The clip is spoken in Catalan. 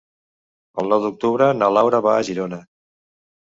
El nou d'octubre na Laura va a Girona.